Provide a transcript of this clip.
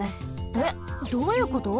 えっ？どういうこと？